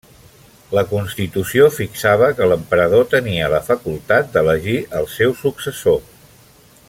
La constitució fixava que l'emperador tenia la facultat d'elegir el seu successor.